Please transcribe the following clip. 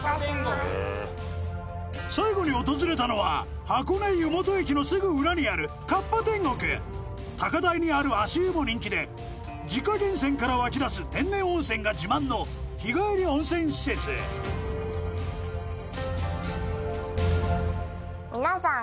最後に訪れたのは箱根湯本駅のすぐ裏にある高台にある足湯も人気で自家源泉から湧き出す天然温泉が自慢の日帰り温泉施設皆さん